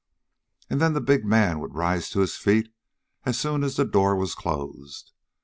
And then the big man would rise to his feet as soon as the door was closed.